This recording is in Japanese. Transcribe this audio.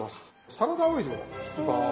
サラダオイルを引きます。